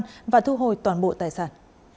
công an đã thu hồi toàn bộ tài sản